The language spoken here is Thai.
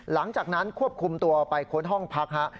หลังจากนั้นควบคุมตัวไปค้นห้องพักฮะ